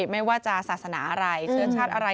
ไม่ว่าจะศาสนาอะไรเชื้อชาติอะไร